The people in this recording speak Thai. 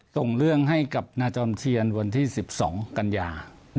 ส่งเรื่องให้กับนาจอมเทียนวันที่๑๒กันยา